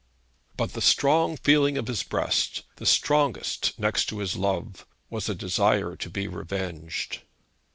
But the strong feeling of his breast, the strongest next to his love, was a desire to be revenged.